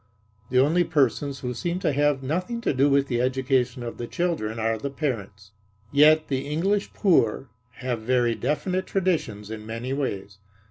The only persons who seem to have nothing to do with the education of the children are the parents. Yet the English poor have very definite traditions in many ways.